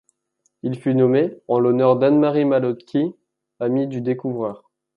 Il fut nommé en l'honneur d'Anne-Marie Malotki, amie du découvreur.